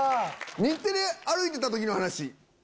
「日テレ歩いてた時の話」。